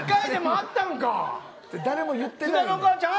誰も言ってないやん。